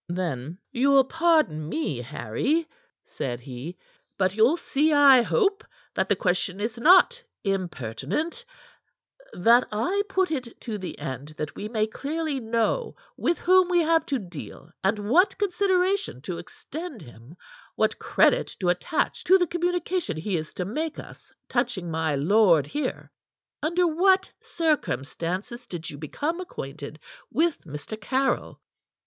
Then: "You'll pardon me, Harry," said he, "but you'll see, I hope, that the question is not impertinent; that I put it to the end that we may clearly know with whom we have to deal and what consideration to extend him, what credit to attach to the communication he is to make us touching my lord here. Under what circumstances did you become acquainted with Mr. Caryll?"